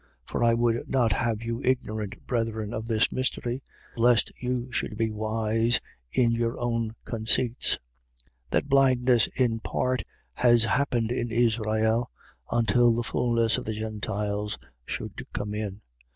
11:25. For I would not have you ignorant, brethren, of this mystery (lest you should be wise in your own conceits) that blindness in part has happened in Israel, until the fulness of the Gentiles should come in.